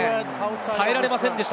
耐えられませんでした。